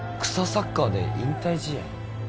サッカーで引退試合？